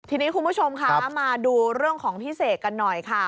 ทีนี้คุณผู้ชมคะมาดูเรื่องของพี่เสกกันหน่อยค่ะ